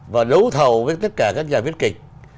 và đấu thầu với tất cả các nhà viết kịch